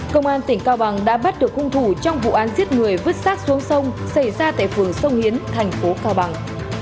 công an tỉnh cao bằng đã bắt được hung thủ trong vụ án giết người vứt sát xuống sông xảy ra tại phường sông hiến thành phố cao bằng